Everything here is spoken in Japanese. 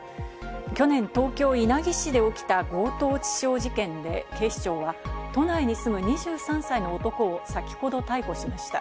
去年、東京・稲城市で起きた強盗致傷事件で、警視庁は都内に住む２３歳の男を先ほど逮捕しました。